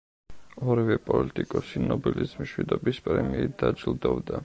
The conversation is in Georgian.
ორივე პოლიტიკოსი ნობელის მშვიდობის პრემიით დაჯილდოვდა.